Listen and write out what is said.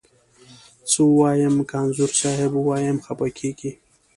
څه ووایم، که انځور صاحب ووایم خپه کږې.